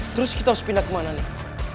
terus kita harus pindah ke mana nek